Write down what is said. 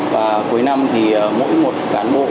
và cuối năm thì mỗi một cán bộ